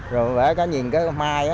rồi nhìn cây mai